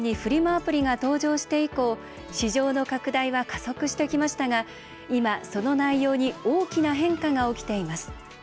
アプリが登場して以降市場の拡大は加速してきましたが今、その内容に大きな変化が起きています。